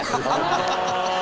「ハハハハ！」